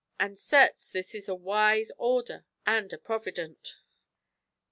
And ccrtes this is a wise order and a j)rovident.